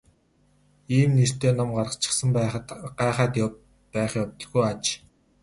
Ийм нэртэй ном гарчихсан байхад гайхаад байх явдалгүй аж.